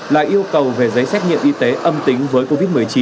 là yêu cầu về giấy xét nghiệm y tế âm tính với covid một mươi chín